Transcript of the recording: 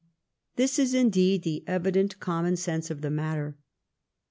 This is, indeed, the evident common sense of the matter.